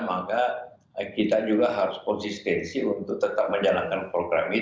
maka kita juga harus konsistensi untuk tetap menjalankan program ini